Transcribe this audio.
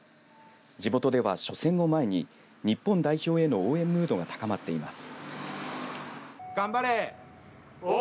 地元では、初戦を前に日本代表への応援ムードが高まっています。